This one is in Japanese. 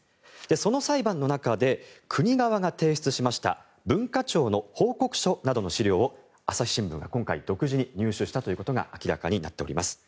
その裁判の中で国側が提出しました文化庁の報告書などの資料を朝日新聞が今回、独自に入手したということが明らかになっております。